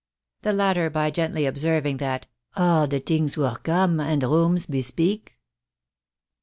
" The latter, by gently observing that, " All de tings were com, and rooms bespeak."